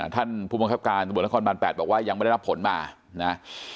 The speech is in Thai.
ท่านผู้บังคับการตำรวจนครบาน๘บอกว่ายังไม่ได้รับผลมานะ